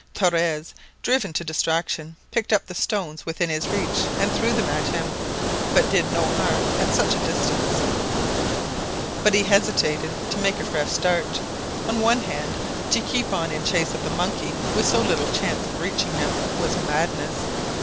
Torres, driven to distraction, picked up the stones within his reach, and threw them at him, but did no harm at such a distance. But he hesitated to make a fresh start. On one hand, to keep on in chase of the monkey with so little chance of reaching him was madness.